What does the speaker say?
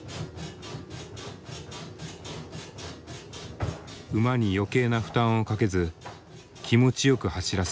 馬に余計な負担をかけず気持ちよく走らせる。